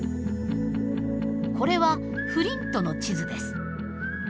これはフリントの地図です。